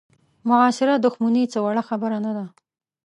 معاصره دوښمني څه وړه خبره نه ده.